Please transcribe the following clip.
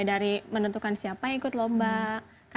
dari menentukan siapa yang ikut lomba